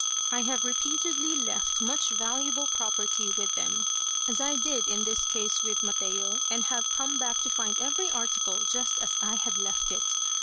I have repeatedly left much valuable property with them, as I did in this case with Mateo, and have come back to find every article just as I had left it.